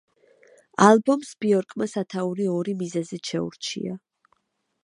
ალბომს ბიორკმა სათაური ორი მიზეზით შეურჩია.